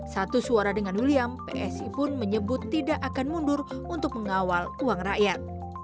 satu suara dengan william psi pun menyebut tidak akan mundur untuk mengawal uang rakyat